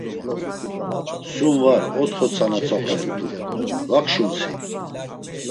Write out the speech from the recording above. Sum var otxo tzana tzoxle rt̆u, va kşunsi?